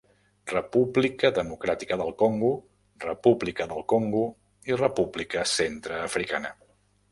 República Democràtica del Congo, República del Congo i República Centreafricana.